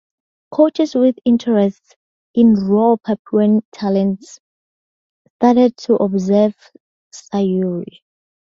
Coaches with interests in raw Papuan talents started to observe Sayuri.